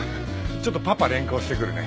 ちょっとパパ連行してくるね。